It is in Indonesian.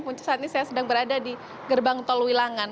punca saat ini saya sedang berada di gerbang tol wilangan